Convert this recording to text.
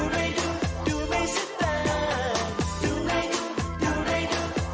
มีทั้ง๘